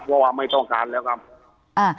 เพราะว่าไม่ต้องการแล้วครับอ่า